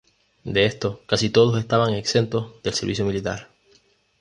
De estos casi todos estaban exentos del servicio militar.